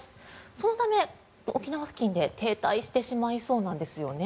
そのため、沖縄付近で停滞してしまいそうなんです。